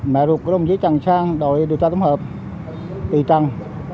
mẹ ruột của đồng chí trần sang đòi điều tra tổng hợp tùy trần